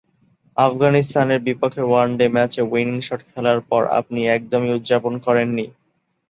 আফগানিস্তানের বিপক্ষে ওয়ানডে ম্যাচে উইনিং শট খেলার পর আপনি একদমই উদ্যাপন করেননি।